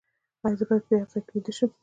ایا زه باید په یخ ځای کې ویده شم؟